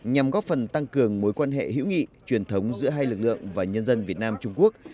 nhằm góp phần tăng cường mối quan hệ hữu nghị truyền thống giữa hai lực lượng và nhân dân việt nam trung quốc